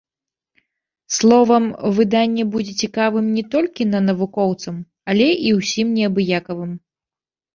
Словам, выданне будзе цікавым не толькі на навукоўцам, але і ўсім неабыякавым.